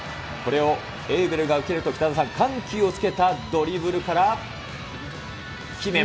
これをエウベルが受けると、北澤さん、緩急をつけたドリブル